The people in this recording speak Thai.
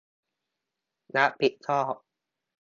รับผิดชอบ